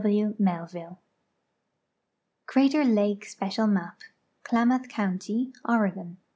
O. W. Melviu.e. Crater Ixikc Special Map. Klamath County, Oregon.